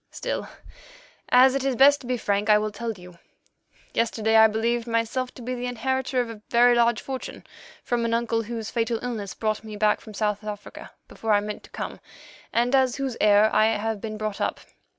"Still, as it is best to be frank, I will tell you. Yesterday I believed myself to be the inheritor of a very large fortune from an uncle whose fatal illness brought me back from South Africa before I meant to come, and as whose heir I have been brought up.